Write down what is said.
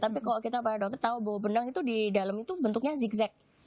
tapi kalau kita pada dokter tahu bahwa benang itu di dalam itu bentuknya zigzag